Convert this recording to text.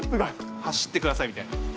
走ってくださいみたいな。